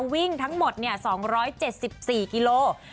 วิ่งทั้งหมด๒๗๔กิโล